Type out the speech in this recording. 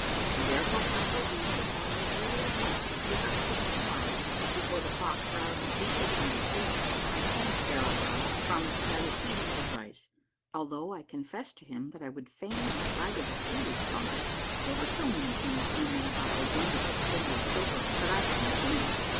I therefore counsel thee that thou make ready at once and quit our city to morrow before the clocks rouse the people from their sleep." I thanked Barrel Brow, and promised that I would heed his advice, although I confessed to him that I would fain have bided a few weeks longer, there were so many things in and about the wonderful City of Silver that I had not seen.